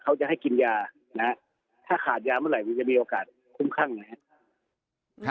เขาจะให้กินยานะฮะถ้าขาดยาเมื่อไหร่มันจะมีโอกาสคุ้มครั่งนะครับ